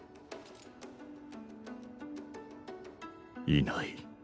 いない